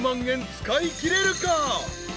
円使いきれるか？］